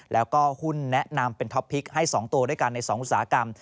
แล้วก็หุ้นแนะนำเป็นท็อปพลิกให้๒ตัวด้วยกันใน๒อุตสาหกรรม